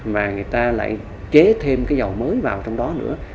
mà người ta lại chế thêm cái dầu mới vào trong đó nữa